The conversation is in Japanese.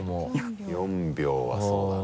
４秒はそうだね。